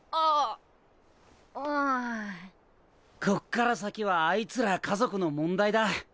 こっから先はあいつら家族の問題だ。